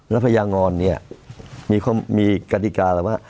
แล้วภรรยางอนเนี่ยมีกฎิการว่า